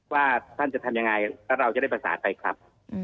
ว่าท่านจะทำยังไงแล้วเราจะได้ประสานไปครับ